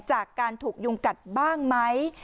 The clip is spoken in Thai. จากการถูกยุงกัดบ้างไหม